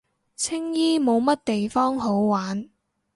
青衣冇乜地方好玩